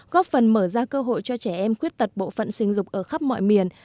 góp phần mở ra cơ hội cho trẻ em khuyết tật bộ phận sinh dục ở khắp mọi miền